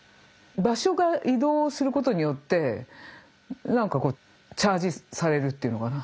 場所が移動することによって何かこうチャージされるっていうのかなエネルギーが。